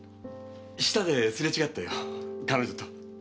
下ですれ違ったよ彼女と。